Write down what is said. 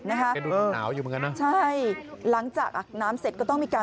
นั่งเฉยนั่งเฉยนั่งเฉยอ่าอ่าอ่าอ่า